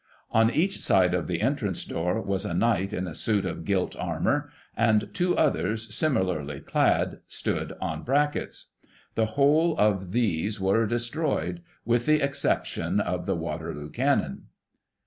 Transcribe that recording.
On each side of the entrance door was a knight in a suit of gilt armour, and two others, similarly clad, stood on brackets. The whole of these were destroyed, with the exception of the Waterloo cannon.